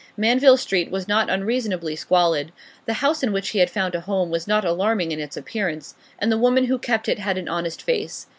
Manville Street was not unreasonably squalid; the house in which he had found a home was not alarming in its appearance, and the woman who kept it had an honest face.